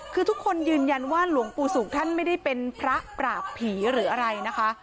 คือทุกคนยืนยันว่าหลวงปู่ศุกร์ท่านไม่ได้เป็นพระปราบผีหรืออะไรนะคะ